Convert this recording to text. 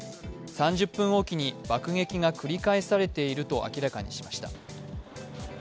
３０分おきに爆撃が繰り返されていると明らかにしました。